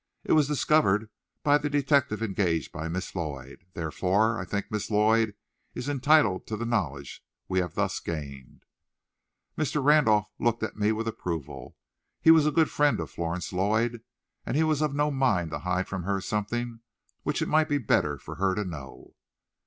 It was discovered by the detective engaged by Miss Lloyd. Therefore, I think Miss Lloyd is entitled to the knowledge we have thus gained." Mr. Randolph looked at me with approval. He was a good friend of Florence Lloyd, and he was of no mind to hide from her something which it might be better for her to know.